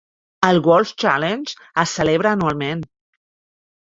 El Wolf Challenge se celebra anualment.